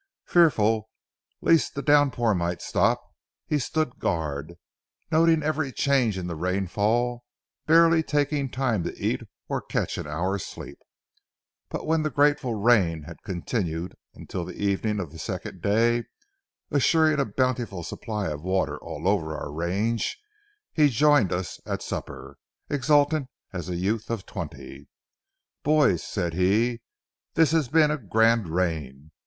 Fearful lest the downpour might stop, he stood guard, noting every change in the rainfall, barely taking time to eat or catch an hour's sleep. But when the grateful rain had continued until the evening of the second day, assuring a bountiful supply of water all over our range, he joined us at supper, exultant as a youth of twenty. "Boys," said he, "this has been a grand rain.